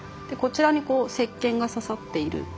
こちらに石剣が刺さっている。